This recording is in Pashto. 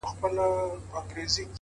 د اوښکو ټول څاڅکي دي ټول راټول کړه،